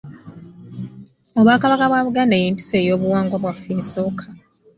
Obwakabaka bwa Buganda y’empisa ey’obuwangwa bwaffe esooka.